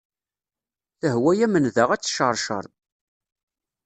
Tehwa-am nnda ad d-tecceṛceṛ.